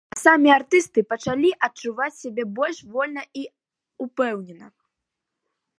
А самі артысты пачалі адчуваць сябе больш вольна і ўпэўнена.